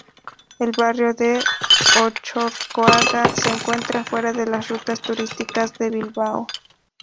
El barrio de Ocharcoaga se encuentra fuera de los rutas turísticas de Bilbao.